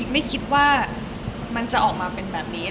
ไม่คิดว่ามันจะออกมาเป็นแบบนี้